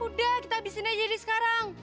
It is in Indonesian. udah kita abisin aja deh sekarang